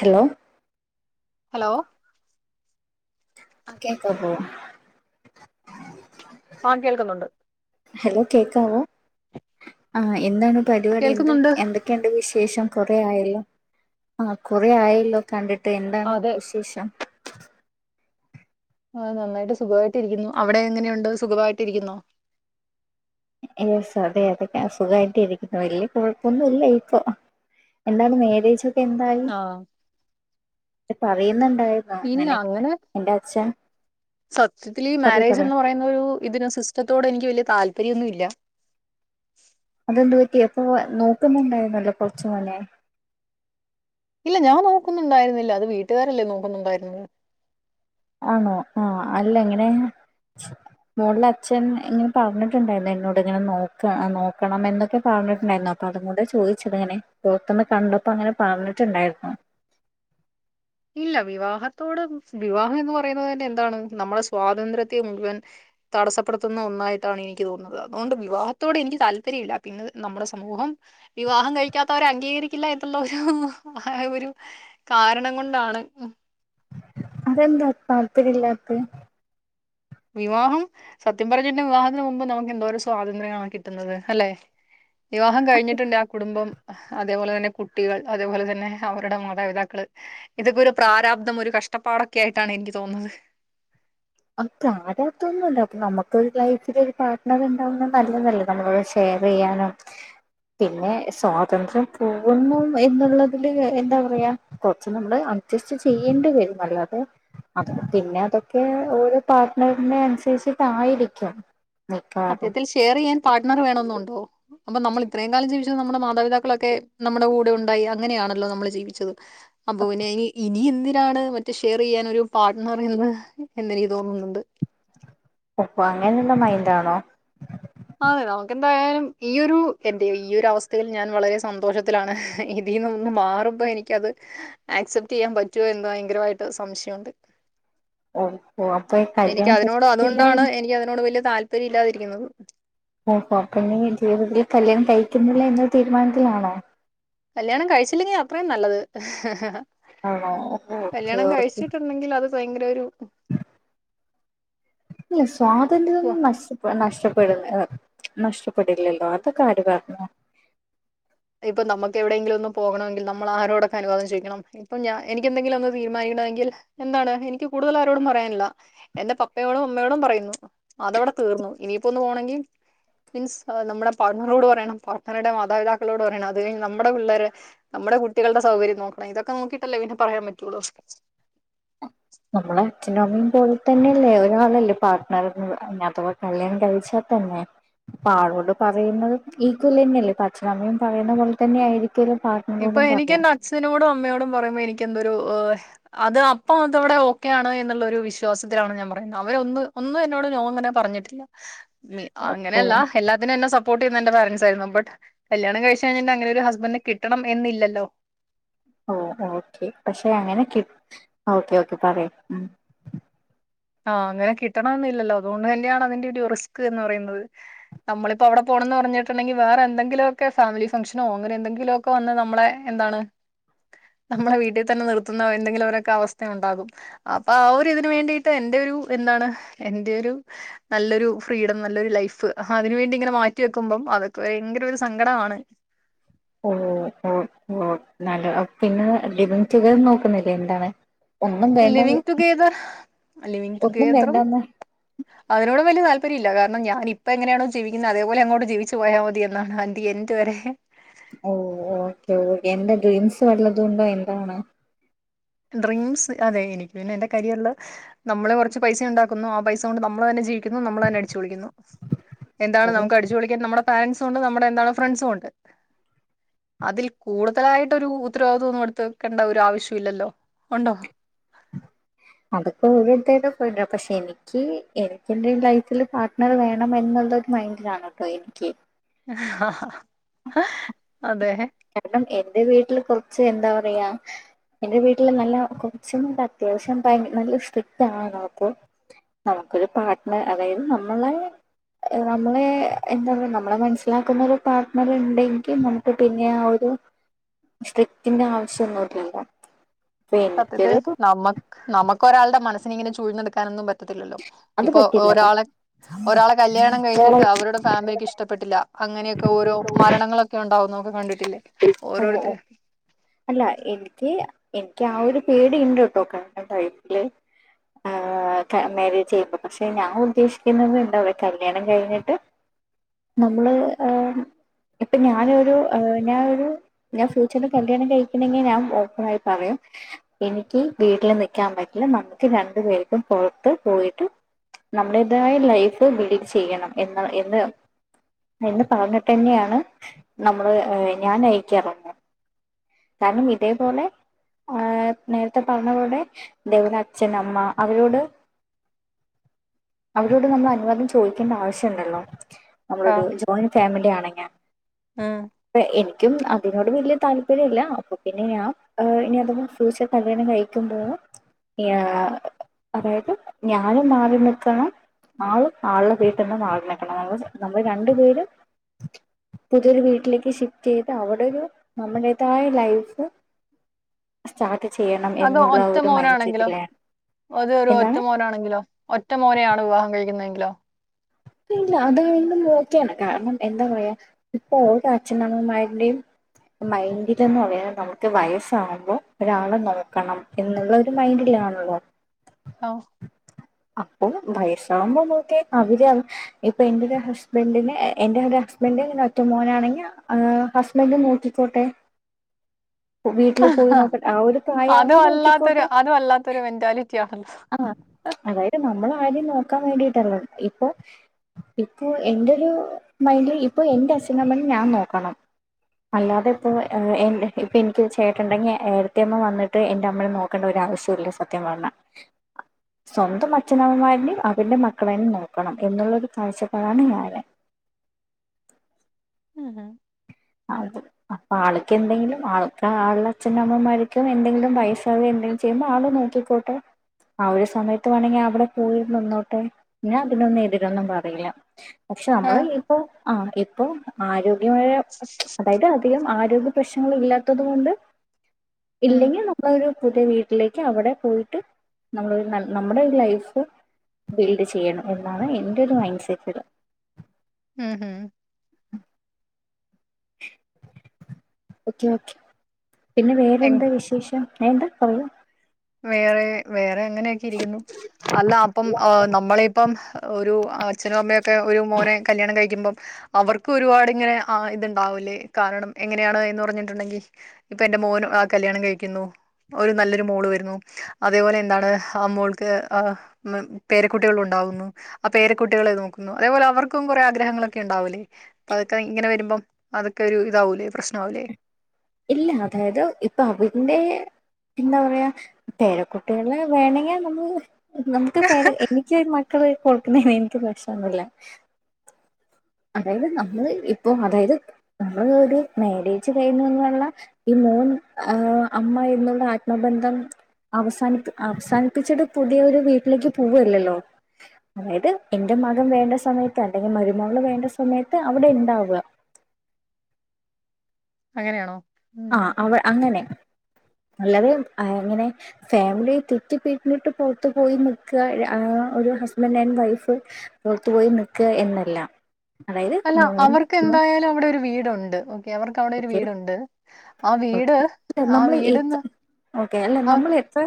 Hello hello ആക്കെ കു പാ കേൾക്കുന്നുണ്ട് ഹലോ കേക്കാവോ ആ എന്താണ് പരിപാടി എന്ത്ന്തൊ കേൾക്കുന്നുണ്ട് എന്തൊക്കെയുണ്ട് വിശേഷം കൊറെ ആയല്ലോ ആ കൊറെ ആയല്ലോ കണ്ടിട്ട് എന്താാണ് അതെ വിശേഷം ആ നന്നായിട്ട് സുഖമായിട്ടരിക്കുന്നു അവിടെ എങ്ങനെയുണ്ട് സുഖമായിട്ട് ഇരിക്കുന്നോ എ അതെ അതൊക്കെ അ സുഖമായിട്ട് ഇരിക്കുന്നു വല്യ കുഴപ്പൊന്നും ഇല്ല ഇപ്പൊ എന്താണ് മാര്യേജ് ഓക്കേ എന്തായി ആഹ് പറയുന്നുണ്ടായ ഇല്ല അങ്ങനെ സത്യത്തില് പറയ് മാരേജ് പറയ് എന്ന് പറയുന്ന ഒരു ഇതിനന് സിസ്റ്റത്തോട് എനിക്ക് വലിയ താല്പര്യൊന്നും മല്ല അതെന് പറ്റി അപ്പൊ നോക്കുന്നുണ്ടായിരുന്നല്ലോ കൊറച്ചു മോനെ ഇല്ല ഞാൻ നോക്കുന്നുണ്ടായിരുന്നില്ല അത് വീട്ടുകാരല്ലേ നോക്കുന്നുണ്ടായിരുന്ന ആണോ ആഹ അല്ല എങ്ങനെ മോളില അച്ഛൻ ഇങ്ങനെട്ടുണ്ടായിരുന്നു എന്നോട് ഇങ്ങനെ നോക്ക നോക്കണം എന്നൊക്കെ പറഞ്ഞിട്ടുണ്ടായിരുന്നു അ അപ്പൊ അതു ചോദിച്ചത് ഇങ്ങനെ പുറത്തന്ന് കണ്ടപ്പോ അങ്ങനെ പറഞ്ഞിട്ടുണ്ടായിരുന്നു ഇല്ല വിവാഹത്തോടെ വിവാഹം എന്ന് പറയുന്നത് തന്നെ എന്താണ് നമ്മളെ സ്വാതന്ത്ര്യത്തെ മുഴുവൻ തടസ്സപ്പെടുത്തുന്ന ഒന്നായിട്ടാണ് എനിക്ക് തോന്നുന്നത് അതുകൊണ്ട് വിവാഹത്തോടെ എനിക്ക് താല്പര്യംമില്ല പിന്നെ നമ്മുടെ സമൂഹം വിവാഹം കഴിക്കാത്തവരെ അംഗീകരിക്കില്ല എന്നുള്ള ഒരു ആ ഒരു കാരണം കൊണ്ട് കൊണ്ട് ആണ് അതെന്താ താത്പര്യമില്ലത്തത് വിവാഹം സത്യം പറഞ്ഞ വിവാഹത്തിന് മുമ്പ് നമുക്ക് എന്തോരോ സ്വാതന്ത്ര്യങ്ങളണോ കിട്ടുന്നത് അല്ലെ വിവാഹം കഴിഞ്ഞിട്ടുണ്ട് ആ കുടുംബം അതേപോലെ തന്നെ കു കുട്ടികൾ അതേപോലെ തന്നെ അവരുടെ മാതാപിതാക്കൾ ഇതൊക്കെ ഒരു പ്രാരാബ്ദം ഒരു കഷ്ടപ്പാടൊക്കെ ആയിട്ടാണ് എനിക്ക് തോന്നുന്നത് അപ്പ പ്രരാബ്ദമൊന്നുമല്ല അപ്പൊ നമുക്ക് ലൈഫിൽ ഒരു പാർട്ട്ണർ ഉണ്ടാവുന്ന നല്ലതല്ല നമ്മ ഷെയർ ചെയ്യാനും പിന്നെ സ്വാതന്ത്ര്യം പോകുന്നു എന്നുള്ളതില് എന്താ പറയാ കൊറച്ച് നമ്മള് അഡ്ജസ്റ്റ് ചെയ്യേണ്ടി വരും അല്ലാതെ അത് പിന്നെ അതൊക്കെ ഓരോ പാർട്ട്ണറിനെ അനുസരിച്ചിട്ടയിരിക്കും അത്യത്തിൽ ഷെയർ ചെയ്യാൻ പാർട്ട്ണർ വേണമെന്നുണ്ടോ അപ്പൊ നമ്മള് ഇത്രേംകാലം ജീവിച്ചത് നമ്മുടെ മാതാപിതാക്കളൊക്കെ നമ്മടെ കൂടെഉണ്ടായി അങ്ങനെയാണല്ലോ നമ്മള് ജീവിച്ചത് അപ്പൊ പിന്നെ ഇനി എന്തിനാണ് ഷെയർയ്യാൻ ഒരു പാട്ട്ണർ എന്ന് എന്നേനിക്ക് തോന്നുന്നുണ്ട് ഓപ്പ അങ്ങനുള്ള മൈൻഡ് ആണോ അതെ നമുക്കെന്തായാലും ഈ ഒരു എന്റെ ഈയൊരവസ്ഥയിൽ ഞാൻ വളരെ സന്തോഷത്തിലാണ് ഇതീനൊന്ന് മാറുമ്പോ എനിക്കത് ആക്സെപ്റ്റ് ചെയ്യാൻ പറ്റൊന്ന് എന്തോ ഭയങ്കരമായിട്ട് സംശയുണ്ട് ഓഹോ അപ്പൊ എനിക്ക് കല്യാണം അതിനോട് കഴിക്കുന്നില്ല അത്കൊണ്ടാണ് എന്ന് എനിക്ക് അതിനോട് വല്ല്യതാല്പര്യം ഇല്ലാതിരിക്കുന്നത് ഓഹോ പിന്നെ ഈ ജീവിതത്തിൽ കല്യാണം കഴിക്കുന്നില്ല എന്ന തീരുമാനത്തിലാണോ കല്ല്യാണം കഴിച്ചില്ലെങ്കി അത്രയും നല്ലത് ആണോ ഓക്കെ കല്യാണം ഓക്കെ കഴിച്ചിട്ടുണ്ടെങ്കിൽ അത് ഭയങ്കരഒരു ഇല്ല സ്വാതന്ത്രന്നും നസ്സ് നഷ്ടപ്പെടുന്ന നഷ്ടപ്പെടില്ലല്ലോ അതൊക്കാരു പർഞ്ഞു ഇപ്പം നമുക്കെവിടെങ്കിലും പോകണെങ്കിൽ നമ്മൾ ആരോടൊക്ക അനുവാദം ചോയ്ക്കണം ഇപ്പൊ ഞാ എനിക്ക്എന്തെങ്കിലും ഒന്ന് തീരുമാനിക്കണമെങ്കിൽ എന്താണ് എനിക്ക് കൂടുതൽ ആരോടും പറയാനില്ല എന്റെ പപ്പയോടും അമ്മയോടും പറയുന്നു അതവിട തീർന്നു ഇനിയിപ്പോന്ന് പോണങ്കി മീൻസ് നമ്മടെ പാട്ണറോട് പറയണം പാർട്ണറുടെ മാതാപിതാക്കളോട് പറയണം അത് കഴിഞ്ഞ നമ്മടെ പിള്ളേരെ നമ്മടെ കുട്ടികളുടെ സൗകര്യം നോക്കണം ഇതൊക്കെ നോക്കിട്ടല്ലെ പിന്നെ പറയാൻ പറ്റോള്ളൂ നമ്മളെ അച്ഛനമമീം പോലെ തന്നെയല്ലേ ഒരാളല്ലേ പാർട്ട്ണർ അഥവാ കല്യാണം കഴിച്ചാ തന്നെ പാടോണ്ട് പറയുന്നത് ഈക്വൽ ന്നെയല്ലേ പച്ഛനമ്മയും പറയുന്ന പോലെ തന്നെ ആയിരിക്കലും പാ ഇപ്പൊ എനിക്ക് എന്റെ അച്ഛനോടും അമ്മയോടും പറയുമോ എനിക്ക് എന്തൊരുഹാ അത് അപ്പം അതവിടെ ഓക്കെയാണ് എന്നുള്ളൊരു വിശ്വാസത്തിലാണ് ഞാൻ പറയുന്നത് അവര ഒന്ന് ഒന്ന് എന്നോട് നോങ്ങനെ പറഞ്ഞിട്ടില്ല നി അപ്പൊ അങ്ങനെയല്ലപ്പ എല്ലാതിനും എന്നെ സപ്പോർട്ട് ചെയുന്നു എന്റെ പാരൻസായിരുന്നു ബട്ട് കല്യാണം കഴിച്ചേഴിഞ്ഞഅങ്ങനെര് ഹസ്ബന്റിനെകി കിട്ടണം എന്നില്ലല്ലോ ഓ ഓക്കേ പക്ഷെ അങ്ങനെകി ഓക്കെ ഓക്കെ പറയാ ഉം ആഹ് അങ്ങനെ കിട്ടണംന്നില്ലല്ലോ അതുകൊണ്ട്ന്നെയാണ് അതിന്റെ ഒരു റിസ്ക് എന്ന് പറയുന്നത് നമ്മളിപ്പോ അവടെ പോണംന്ന് പറഞ്ഞിട്ടണ്ടെങ്കിൽ വേറെ എന്തങ്കിലുമൊക്കൊഫാമിലി ഫംഗഷനോ അങ്ങനെ എന്തെങ്കിലൊ ഒക്കെ വന്ന്നമ്മളെ എന്താണ് [unintelligible] നമ്മളെ വീട്ടിൽ തന്നെ നിർത്തുന്ന എന്തെങ്കിലും ഒരൊക്കെ അവസ്ഥ ഉണ്ടാകും അപ്പൊ ആഹ് ഒര് ഇതിന് വേണ്ടി ത്തഎന്റെരു എന്നാണ് എന്റെരു നല്ലൊരു ഫ്രീഡം നല്ലൊരു ലൈഫ് അതിന് വേണ്ടിങ്ങനെ മാറ്റി വെക്കുമ്പം അതൊക്കെ ഭയങ്കര ഒരു സങ്കടാണ് ഓ ഓ ഓ നല്ല പിന്നെ ലിവിങ്റ്റുഗതെർ നോക്കുന്നില്ലേ എന്താണ് ഒന്നും വേണ്ട ലവിങ് ടുഗേദർ ലവിങ് ഒന്നും ടുഗേദറും വേണ്ടാന്ന് അതിനോടും വെല്ല്യതാൽപര്യല്ല കാരണം ഞാന്ഇപ്പഎങ്ങെനേണോ ജീവിക്കുന്നത് അതേപോലെങ്ങോട്ട് ജീവിച്ച്പോയാമതി എന്നാഅന്തിയെൻ ഇതവരേ ഓ ഓക്കേ ഓക്കേ എന്തേഡ്രീംസ് വല്ലതുണ്ടോ എന്താണ് ഡ്രീംസ് അതെ എനിക്ക് പിന്നെ എന്റെകരിയർല് നമ്മള് കൊർച്ച് പൈസണ്ടാക്കുന്നു ആഹ് പൈസ കൊണ്ട് നമ്മളന്നെ ജീവിക്കുന്നു നമ്മളന്നെ അടിച്ചുപൊളിക്കുന്നു എന്താണ് അത്? നമുക്ക് അടിച്ചുപൊളിക്കാൻ നമ്മടെ പാരൻറ്സുണ്ട് നമ്മടെ എന്താണ് ഫ്രണ്ട്സുണ്ട് അതിൽ കൂടുതലായിട്ടൊരു ഉത്തരവാദിത്വന്നും അടുത്ത് വെക്കേണ്ട ഒരു ആവശ്യല്ലല്ലോ ഉണ്ടോ അതൊക്കെ ഒരോരുത്തര പോയിണ്ട അപ്പം ശനി ച്ച് എനിക്ക് എന്റെ ലൈഫിൽ പാട്ട്ണറ് വേണം എന്നുള്ളൊരു മൈഡിലാണ്ട്ടോ എനിക്ക് അതേ കാരണം എന്റെവീട്ടില് കൊർച്ച് എന്താ പറയാ എന്റെ വീട്ടില് നല്ല കൊർച്ച്ന്നല്ല, അത്യാവശ്യം ഭയ് നല്ല സ്ട്രിക്ടാണ് അപ്പൊ നമുക്കൊരു പാട്ട്നർ അതായത് നമ്മളെ നമ്മളെ എന്താ പറയാ നമ്മളെ മനസ്സിലാക്കുന്ന ഒരു പാട്ട്ണറ്ണ്ടെങ്കി നമു ക്ക് പിന്നെആ ഒരു സ്ട്രിക്റ്റിന്റെ ആവിശ്യെന്നുല്ലല്ലോ സത്യത്തില് നമ്മക്ക് നമക്കൊരാളുടെ മനസ്സിനെ ഇങ്ങനെ ചൂഴ്ന്നെടുക്കാനൊന്നും പറ്റത്തില്ലല്ലോ അത് ഇപ്പൊ പറ്റില്ല ഒരാളെ ഒരാളെ കല്യാണം ഓ കഴിച്ചിട്ട് അവരുടെ ഫാമിലിക്ക് ഇഷ്ടപ്പെട്ടില്ല അങ്ങനെയൊക്കെ ഓരോ മരണങ്ങളൊക്കെ ഉണ്ടാവുന്നൊക്കെ കണ്ടിട്ടില്ലേ ഓ ഓരോരുത്തരെ - അല്ല എനിക്ക് എനിക്ക്യാ ഒരു പേടി ഇണ്ട്ട്ടോ കാര്ണം ലൈഫില് ആഹ് ക മേരേജ് ചെയ്യുമ്പോ, പക്ഷെ ഞാ ഉദ്ദേശിക്കുന്നത് എന്താറിയോ, കല്യാണം കഴിഞ്ഞിട്ട് നമ്മള് ഏഹ് ഇപ്പൊ ഞാനൊരു ഏഹ് ഞാ ഒരു ഞാൻ ഫ്യൂച്ചറില് കല്യാണം കഴിക്കണെങ്കി ഞാൻ ഓപ്പണായി പറയും എനിക്ക് വീട്ടില് നിക്കാൻ പറ്റില്ല, നമ്മ്ക്ക് രണ്ടു പേർക്കും പുറത്ത് പോയിട്ട് നമ്മുടേതായൊരു ലൈഫ് ബിൽഡ് ചെയ്യണം എന്ന എന്ന് എന്ന് പറഞ്ഞിട്ടന്നെയാണ് നമ്മള് ഞാൻ അയക്കാറൊള്ളു കാര്ണം ഇതേപോലെ ആഹ് നേരത്തെ പറഞ്ഞപോലെ ദേവന് അച്ഛനമ്മ അവരോട് അവരോട് നമ്മളനുവാദം ചോയ്ക്കണ്ടാവശ്യണ്ടല്ലോ ആ നമ്മളൊരു ജോയിന്റ് ഫാമിലിയാണെങ്യെ, ഉം പ്പ എനിക്കും അതിനോട് വലിയ താല്- ല്പര്യല്ല. അപ്പൊ പിന്നെ ഞാൻ ഇനി അഥവ ഫ്യൂച്ചർ കല്യാണം കഴിക്കുമ്പോഴും യാ അതായത് ഞാനും മാറി നിക്കണം ആളും ആളുടെ വീട്ടിന്ന് മാറി നിക്കണം. നമ്മ നമ്മള് രണ്ട് പേരും പുതിയൊരു വീട്ടിലേക്ക് ഷിഫ്റ്റെയ്ത് അവിടൊരു നമ്മുടേതായ ലൈഫ് സ്റ്റാർട്ട്‌ ചെയ്യണം അത് എന്നുള്ള ഒറ്റ ഒരു മൈൻഡ് മോനാണെങ്കിലോ, സെറ്റിലാണ് അത് ഒരൊറ്റ എന്താണ് മോനാണെങ്കിലോ ഒറ്റമോനെയാണ് വിവാഹം കഴിക്കുന്നതെങ്കിലോ ഇല്ല അത് [unintelligible] നോക്കിയേനെ, കാരണം എന്താ പറയാ ഇപ്പൊ ഒരച്ഛനമ്മമാരുടെയും മൈൻഡിലെന്ന് പറയുന്നത് നമുക്ക് വയസ്സാകുമ്പൊ ഒരാള് നോക്കണം എന്നുള്ള ഒരു മൈൻഡിലാണല്ലോ ഓ അപ്പൊ വയസ്സാവുമ്പോ ഓക്കേ അവര് ഇപ്പൊ എന്റൊര ഹസ്ബന്റിന് എന്റെ ഒരസ്ബൻഡന് ഇങ്ങന ഒറ്റ മോനാണെങ്കിഏഹ് ഹസ് ബൻഡ് നോക്കിക്കോട്ടെ വീട്ടില് പോയി നോക്കട്ട്, ആ ഒരു പ്രായാവുമ്പോ നോക്കിക്കോട്ടെ ത്തൊരു മെന്റാലിറ്റി ആന്ന് അ ഹാ അതായത് നമ്മളാരെയും നോക്കാൻ വേണ്ടിട്ടല്ല ഇപ്പൊ ഇപ്പൊ എന്റൊരു മൈന്റിൽ ഇപ്പൊ എന്റെ അച്ഛനമ്മനിം ഞാൻ നോക്കണം അല്ലാതെപ്പോ എ എ ഇപ്പെനിക്കൊരു ചേട്ടണ്ടെങ്കി ഏട്ടത്തി അമ്മ വന്നിട്ട് എന്റെമ്മനെ നോക് - ക്കണ്ട ഒരാവിശ്യുല്ല സത്യം പർഞ്ഞാ സ്വന്തം അച്ഛനമ്മമാര്നെ അവര്ന്റെ മക്കളെന്നെ നോക്കണം, എന്നുള്ളൊരു കാഴ്ചപ്പാടാണ് ഞാന് ഉം ഹും അത് അപ്പാൾക്ക് എന്തെങ്കിലും ആൾക്ക് ആളുടെ അച്ഛനമ്മമാരിക്കും എന്തെങ്കിലും വയസാവേ എന്തെ ചെയ്യുമ്പാള് നോക്കിക്കോട്ടെ ആ ഒരു സമയത്ത് വേണെങ്കി അവിടെ പോയി നിന്നോട്ടെ ഞാൻ അതിനൊന്നു എതിരൊന്നും പറീല. പക്ഷെ ആ, നമ്മള് ഇപ്പോ ആ ഇപ്പോ ആരോഗ്യമായ അതായത് അധികം ആരോഗ്യ പ്രശ്നങ്ങൾ ഇല്ലാത്തത് കൊണ്ട് ഉം ഇല്ലെങ്കിൽ ന മ്മളൊരു പുതിയ വീട്ടിലേക്ക് അവിടെ പോയിട്ട് നമ്മളൊരു നല് നമ്മടെ ഒര് ലൈഫ് ബിൽഡ് ചെയ്യണം എന്നാണ് എന്റെ ഒരു മൈൻഡ് സെറ്റ്ല്. ഉം ഉം ഉച്ചക്കക്ക് പിന്നെ എങ്- വേറെന്താ വിശേഷം ഏഹ് എന്താ? പറയൂ വേറെ വേറെ അങ്ങനെയൊക്കെ ഇരിക്കുന്നു, അല്ല അപ്പംആഹ് നമ്മള് ഇപ്പം ഒരു അച്ഛനും അമ്മയൊക്കെ ഒരു മോനെ കല്ല്യാണം കഴിക്കുമ്പം അവർക്ക് ഒരുപാട് ഇങ്ങനെ ആ ഇത്ണ്ടാവൂല്ലേ കാരണം എങ്ങനെയാണ് എന്ന് പറഞ്ഞിട്ടുണ്ടെങ്കി. ഇപ്പൊ എന്റെ മോന് ആ കല്ല്യാണം കഴിക്കുന്നു ഒരു നല്ലൊരു മോള് വെ രുന്നു. അതേപോലെ എന്താണ് ആ മോൾക്ക് ആ ഉം പേരക്കുട്ടിള് ഉണ്ടാവുന്നു. അ പേരകുട്ടികളെ നോക്കുന്നു. അതേപോലെ അവർക്കും കുറെ ആഗ്രഹങ്ങളൊക്കെ ഇണ്ടാവുലെ അതൊക്കെ ഇങ്ങനെ വെരുമ്പം അതൊക്കെ ഒരു ഇതാവൂലെ പ്രശ്നാവുലെ. ഇല്ല അതായത് ഇപ്പ അവന്റെ എന്താ പറയാ പേര കുട്ടികള് വേണെങ്കി നമ്മള് നമുക്ക് പേര എനി ക്ക് ഒരു മക്കളു ആയി [unintelligible] എനിക്ക് പ്രശ്നൊന്നുല്ല. അതായത് നമ്മള് ഇപ്പോ അതായത് നമ്മള് ഒരു മാരേജ് കഴിഞ്ഞൊന്ന് ള്ള ഈ മോൻ ആഹ് അമ്മ എന്നുള്ള ആത്മബന്ധം അവസാനിത്ത് അവസാനിപ്പിച്ചിട്ട് പുതിയ ഒരു വീട്ടിലേക്ക് പോവ് അല്ലല്ലോ. അതായത് എന്റെ മകൻ വേണ്ട സമയത്ത് അല്ലെങ്കിൽ മരുമോള് വേണ്ട സമയത്ത് അവിടെ ഇണ്ടാവ്. അങ്ങനെയാണോ? ഉം ആഹ് അവ അങ്ങനെ, അല്ലാതെ അങ്ങനെ. ഫാമിലി ആയി തെറ്റിപ്പിരിഞ്ഞിട്ട് പുറത്തു പോയി നിക്ക് ആഹ് ഒരു ഹസ്ബൻറ് ആൻഡ് വൈഫ്. പുറത്തു പോയി നിക്ക് എന്നല്ല. അതായത് അല്ല മോൻ അവർക്ക് എന്തായാലു അവിടെ ഒരു വീടുണ്ട്, ഉം. അവർക്ക് അവിടെ ഒരു ഓക്കെ വീടുണ്ട് ആ വീട് ആ നമ്മൾ വീട്ന്ന് ഓക്കെ അല്ല ആ നമ്മള് ഇത്ര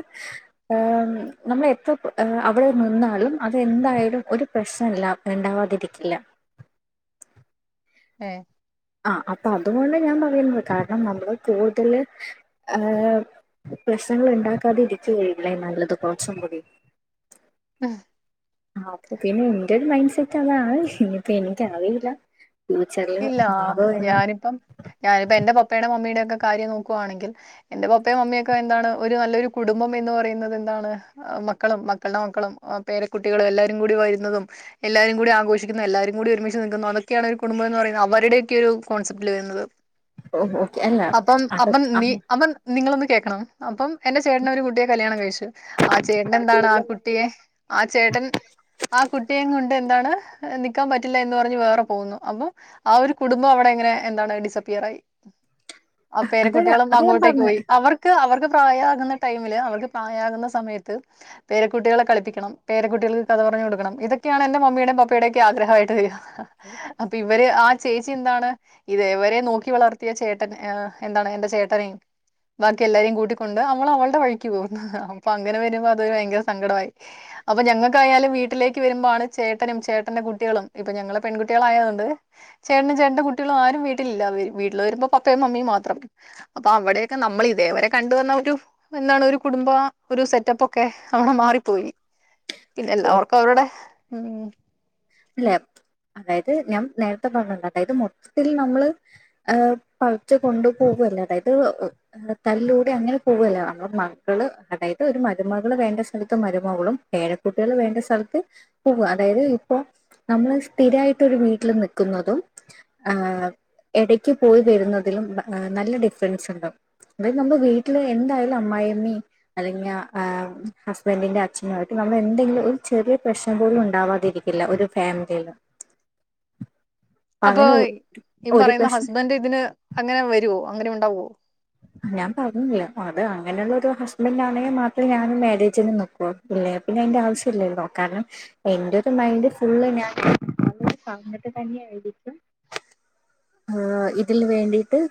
ആം നമ്മള് എത്ര ഏഹ് അവിടെ നിന്നാലും അത് എന്തായാലും ഒരു പ്രശ്നല്ല. ഇണ്ടാവാതിരിക്കില്ല. ഏഹ് ആഹ് അപ്പ അതുകൊണ്ട് ഞാൻ പറയുന്ന് കാരണം നമ്മള് കൂടുതല് ഏഹ് പ്രശ്നങ്ങള് ഇണ്ടാക്കാതെ ഇരിക്കുകയല്ലേ നല്ലത് കൊറച്ചും കൂടി. ആഹ് ആ ഓക്കെ പിന്നെ ഇന്റെ ഒരു മൈന്റ് സെറ്റ് അതാണ്, പക്ഷെ ഇനിയിപ്പ എനിക്കറിയില്ല. ഫ്യൂച്ചറിൽ ഇല്ല, മാറോ എന്ന് ഞാനിപ്പം ഞാനിപ്പ എന്റെ പപ്പടെ മമ്മീടെ ഒക്കെ കാര്യം നോക്കുവാണെങ്കിൽ. എന്റെ പപ്പയും മമ്മിയൊക്കെ എന്താണ് ഒരു നല്ലൊരു കുടുംബം എന്ന് പറയുന്നത് എന്താണ് ആഹ് മക്കളും മക്കൾടെ മക്കളുംആഹ് പേര കുട്ടികളും എല്ലാരും കൂടി വരുന്നതും എല്ലാരും കൂടി ആഘോഷിക്കുന്നു എല്ലാരും കൂടി ഒരുമിച്ച് നിക്കുന്നു അതൊക്കെയാണ് ഒരു കുടുംബം ന്ന് പറയുന്നത് അവരുടെയൊക്കെ ഒരു കോൺസെപ്റ്റ്ല് വരുന്നത്. ഓക്കെ അല്ല അപ്പം അത് അപ്പം നീ അപ്പം നിങ്ങളൊന്ന് കേക്കണം അപ്പം. എന്റെ ചേട്ടന് ഒരു കുട്ടിയെ കല്ല്യാണം കഴിച്ചു. ആ ചേട്ടന് എന്താണ് ആ കുട്ടിയെ ആ ചേട്ടൻ ആ കുട്ടിയേം കൊണ്ട് എന്താണ് നിക്കാൻ പറ്റില്ല എന്ന് പറഞ്ഞ് വേറെ പോവുന്നു. അപ്പം ആ ഒരു കുടുംബം അവിടെ എങ്ങനെ എന്താണ് ഡിസപ്പിയർ ആയി. ആ അത് പേരകുട്ടികളും അത് ഞാൻ അങ്ങോട്ടേക്ക് പറഞ്ഞ പോയി അവർ. അവർക്ക് പ്രായമാകുന്ന ടൈമില് അവർക്ക് പ്രായമാകുന്ന സമയത്ത് പേരക്കുട്ടികളെ കളിപ്പിക്കണം പേരുട്ടികൾക്ക് കഥ പറഞ്ഞ് കൊടുക്കണം ഇതൊക്കെയാണ് എന്റെ മമ്മിയുടെയും പപ്പയുടെയും ഒക്ക ആ്രഹമായിട്ട് വരിക. അപ്പൊ ഇവര് ആ ചേച്ചി എന്താണ്. ഇത്വരെ നോക്കി വളർത്തിയ ചേട്ടൻ എന്താണ് എൻറെ ചേട്ടനെയ. ബാക്കി എല്ലാരെയും കൂട്ടിക്കൊണ്ട് അവള് അവളുടെ വഴിക്ക് പോകുന്നു അപ്പൊ അങ്ങനെ വരുമ്പോ അതൊരു ഭയങ്കര സങ്കടമായി. അപ്പൊ ഞങ്ങൾക്കായാലും വീട്ടിലേക്ക് വരുമ്പോണ് ചേട്ടനും ചേട്ടന്റെ കുട്ടികളും ഇപ്പൊ ഞങ്ങളെ പെൺകുട്ടികളയതുണ്ട്. ചേട്ടനും ചേട്ടന്റ കുട്ടികൾ ആരും വീട്ടിലില്ല വീട്ടില് വരുമ്പോ പപ്പയും മമ്മിയും മാത്രം. അപ്പൊ അവിടെക്കെ നമ്മൾ ഇതേവരെ കണ്ട് വന്ന ഒരു എന്താണ് ഒരു കുടുംബ ഒരു സെറ്റപ്പൊക്കെ അവിടെ മാറിപ്പോയി. പിന്നെ എല്ലാവർക്കും അവരുടെ അല്ലെ അതായത് ഞാൻ നേരത്തെ പറഞ്ഞ്ണ്ടാന് അതായത് മൊത്തത്തിൽ നമ്മള് എഹ് പളച്ച് കൊണ്ടുപോകല്ലേ അതായത് തല്ലൂട്ടി അങ്ങനെ പോവല്ല നമ്മുടെ മകള് അതായത് ഒരു മരുമകള് വേണ്ട സ്ഥലത്ത് മരുമകളും. പേരക്കുട്ടികൾ വേണ്ട സ്ഥലത്ത് പോവ അതായത്. അപ്പോ നമ്മള് സ്ഥിരായിട്ടരു വീട്ടിൽ നിക്കുന്നതും ആ ഇടക്ക് പോയി വരുന്നതിലും നല്ല ഡിഫറൻസ് ഉണ്ടകും അതായത് നമ്മ വീട്ടില് എന്തായാലും അമ്മായിഅമ്മയും അല്ലെങ്കിൽ അഹ് ഹസ്ബൻഡിന്റെ അച്ഛനുമായിട്ട് നമ്മൾ എന്തെങ്കിലും ഒരു ചെറിയ പ്രശ്നം പോലും ഉണ്ടാവാതെരി ഇല്ല ഒരു ഫാമിലിയില് അപ്പൊ ഈ ഒരു പറയുന്ന പ്രശ്നം ഹസ്ബൻഡ് ഇതിന് അങ്ങനെ വരുവോ അങ്ങനെ ഉണ്ടാവുവോ ഞാൻ പറഞ്ഞില്ല അത് അങ്ങനെയുള്ള ഒരു ഹസ്ബൻഡ ആണെങ്കിൽ മാത്രമേ ഞാനും മാരേജി ചെയ്ത് നൽക്കുള്ളൂ ഇല്ല പിന്നെ അതിന്റെ ആവശ്യം ഇല്ലല്ലോ കാരണം എന്റെ ഒരു മൈൻഡ് ഫുള് ഞാൻ അങ്ങനെ തന്നെആയിരിക്കും ഹ് ഇതിന് വേണ്ടിട്ട്